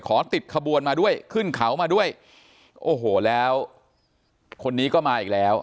ติดขบวนมาด้วยขึ้นเขามาด้วยโอ้โหแล้วคนนี้ก็มาอีกแล้ว